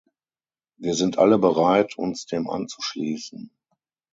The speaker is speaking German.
Wir sind alle bereit, uns dem anzuschließen.